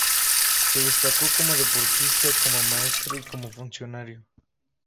Se destacó como deportista, como maestro y como funcionario.